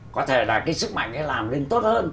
có thể là cái sức mạnh ấy làm nên tốt hơn